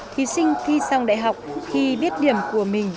thí sinh thi xong đại học khi biết điểm của mình